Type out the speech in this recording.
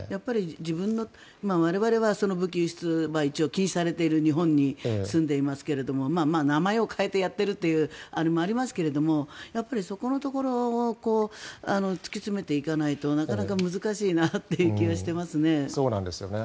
我々は武器輸出は一応禁止されている日本に住んでいますが名前を変えてやっているというのもありますがそこのところを突き詰めていかないとなかなか難しいなっていう気はしていますね。